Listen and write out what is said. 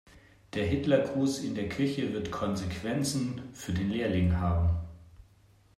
Der Hitlergruß in der Küche wird Konsequenzen für den Lehrling haben.